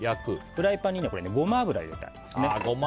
フライパンにゴマ油を入れてありますね。